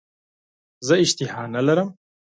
زه اشتها نه لرم .